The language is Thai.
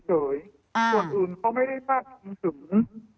ส่วนอื่นเขาไม่ได้พาดพิงถึง